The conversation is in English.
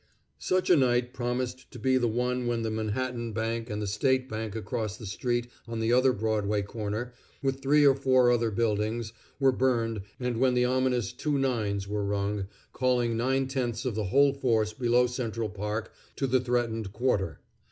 Such a night promised to be the one when the Manhattan Bank and the State Bank across the street on the other Broadway corner, with three or four other buildings, were burned, and when the ominous "two nines" were rung, calling nine tenths of the whole force below Central Park to the threatened quarter.